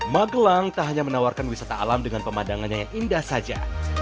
magelang tak hanya menawarkan wisata alam dengan pemandangannya yang indah saja